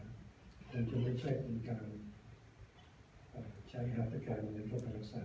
น้องจะไม่ใช่มีการใช้ฮาตการในประกอบรักษา